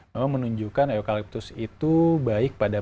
memang menunjukkan eukaliptus itu baik pada